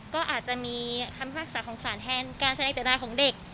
ก็อาจจะมีคำพิพักษาของสารแทนการเสนออาจจะได้ของเด็ก